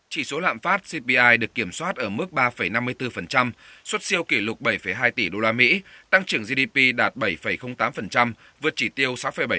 chỉ số lạm phát cpi được kiểm soát ở mức ba năm mươi bốn xuất siêu kỷ lục bảy hai tỷ usd tăng trưởng gdp đạt bảy tám vượt chỉ tiêu sáu bảy